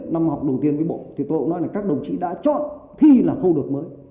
năm học đầu tiên với bộ thì tôi cũng nói là các đồng chí đã chọn thi là khâu đột mới